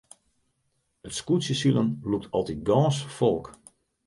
It skûtsjesilen lûkt altyd gâns folk.